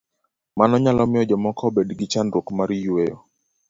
Mano nyalo miyo jomoko obed gi chandruok mar yueyo.